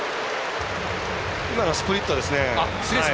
今のはスプリットですね。